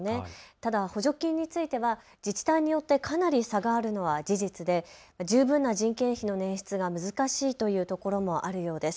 ただ補助金については自治体によってかなり差があるのは事実で十分な人件費の捻出が難しいというところもあるようです。